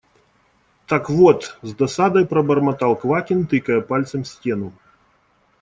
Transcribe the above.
– Так вот… – с досадой пробормотал Квакин, тыкая пальцем в стену.